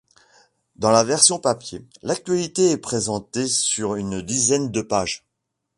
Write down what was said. Dans la version papier, l’actualité est présentée sur une dizaine de pages.